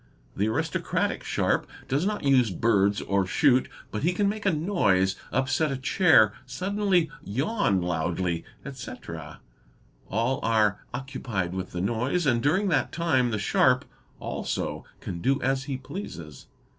The aristocratic sharp does not use birds or shoot, but he can make a noise, upset a chair, suddenly yawn loudly, etc.,—all are occupied with the noise, and during that time the sharp, also, can do as he pleases.